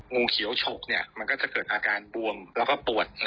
งูเขียวฉกเนี่ยมันก็จะเกิดอาการบวมแล้วก็ปวด